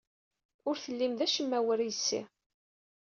Ur tellim d acemma war yes-i.